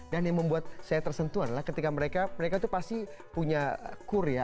dan yang membuat saya tersentuh adalah ketika mereka mereka itu pasti punya kur ya